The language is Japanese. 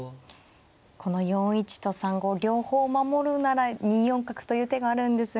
この４一と３五両方守るなら２四角という手があるんですが。